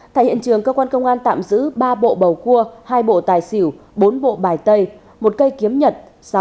tại hiện trường cơ quan công an tạm giữ ba bộ bầu cua hai bộ tài xỉu bốn bộ bài tay một cây kiếm nhật